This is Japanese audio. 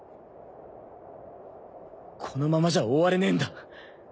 このままじゃ終われねえんだ。